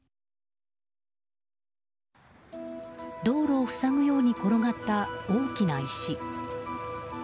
道路を塞ぐように転がった大きな石。